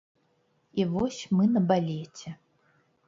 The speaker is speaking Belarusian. І вось мы на балеце.